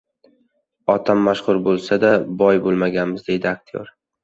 “Otam mashhur bo‘lsa-da, boy bo‘lmaganmiz”,— deydi aktyor